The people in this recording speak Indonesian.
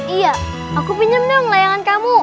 iya aku pinjam dong layangan kamu